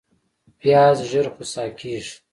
پیاز ژر خوسا کېږي